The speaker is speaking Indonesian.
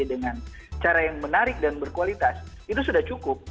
dengan cara yang menarik dan berkualitas itu sudah cukup